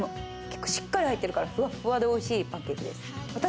しっかり入ってるから、ふわふわで美味しいパンケーキです。